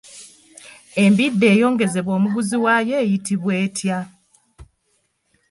Embidde eyongezebwa omuguzi waayo eyitibwa etya?